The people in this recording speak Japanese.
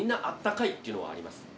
っていうのはありますね。